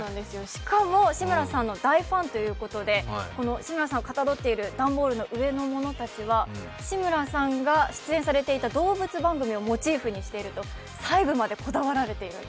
しかも志村さんの大ファンということで志村さんをかたどっている段ボールの上のものたちは、志村さんが出演していた動物番組をモチーフにしていると、細部にまでこだわられていると。